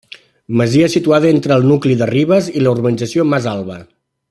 Masia situada entre el nucli de Ribes i la urbanització Mas Alba.